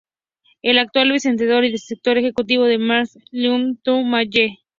El actual vicedirector y director ejecutivo es Margaret Leung Ko May Yee.